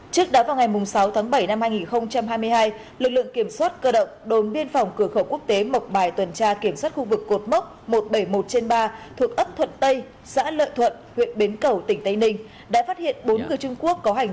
trước đó vào ngày sáu tháng bảy năm hai nghìn hai mươi hai lực lượng kiểm soát cơ động đồn biên phòng cửa khẩu quốc tế mộc bài tuần tra kiểm soát khu vực cột mốc một trăm bảy mươi một trên ba thuộc ấp thuận tây xã lợi thuận huyện bến cầu tỉnh tây ninh đã phát hiện bốn người trung quốc có hành vi